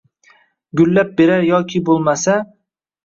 gullab berar yoki boʼlmasa